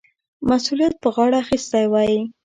مسؤلیت پر غاړه اخیستی وای.